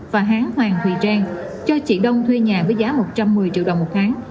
và hán hoàng thùy trang cho chị đông thuê nhà với giá một trăm một mươi triệu đồng một tháng